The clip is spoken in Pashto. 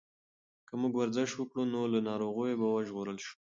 که موږ ورزش وکړو نو له ناروغیو به وژغورل شو.